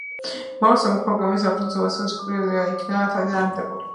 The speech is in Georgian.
მომავალი სამოქალაქო ომი ლუდვიგის უეცარი სიკვდილით იქნა თავიდან არიდებული.